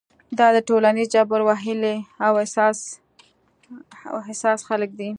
دا د ټولنیز جبر وهلي او حساس خلک دي.